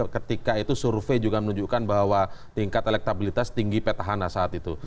ketika itu survei juga menunjukkan bahwa tingkat elektabilitas tinggi petahana saat itu